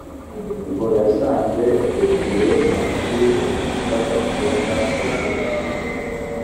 ngo yasanze desire na trix badakunda kuvuga